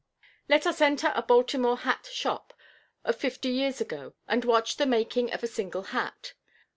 Let us enter a Baltimore hat "shop" of fifty years ago and watch the making of a single hat.